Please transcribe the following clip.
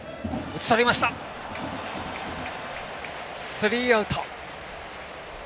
スリーアウト。